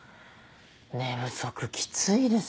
寝不足きついですよ。